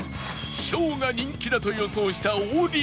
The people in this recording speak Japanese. ショーが人気だと予想した王林